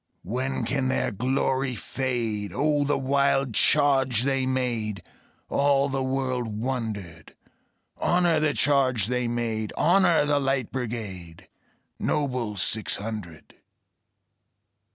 When can their glory fade? O the wild charge they made! All the world wondered. Honor the charge they made! Honor the Light Brigade, Noble six hundred!